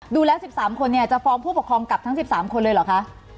ดูแล้ว๑๓คนจะฟ้องผู้ปกครองกลับทั้ง๑๓คนเลยเหรอคะ